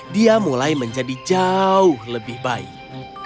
dia mulai menjadi jauh lebih baik